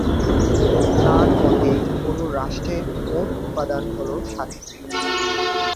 তার মতে, কোন রাষ্ট্রের মোট উপাদান হল সাতটি।